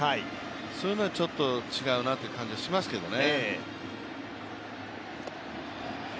そういうのはちょっと違うなという感じがしますけどね。